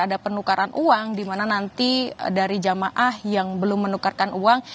ada penukaran uang di mana nanti dari jamaah yang belum menukarkan uang